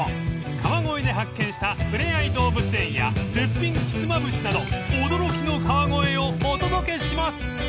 ［川越で発見したふれあい動物園や絶品ひつまぶしなど驚きの川越をお届けします］